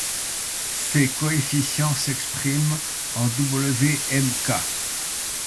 Ces coefficients s'expriment en W·m·K.